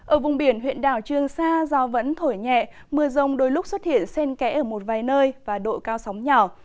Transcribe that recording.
ở vùng biển huyện đảo trương sa do vẫn thổi nhẹ mưa rông đôi lúc xuất hiện sen kẽ ở một vài nơi và độ cao sóng nhỏ